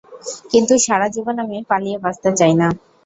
কিন্তু সারাজীবন আমি পালিয়ে বাঁচতে চাই না।